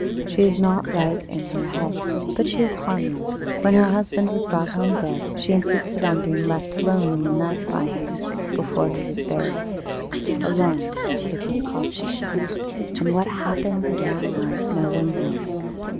She is not right in her head, but she is harmless. When her husband was brought home dead, she insisted on being left alone in the night by him, before he was buried alone, with his coffin. And what happened in that night no one knows.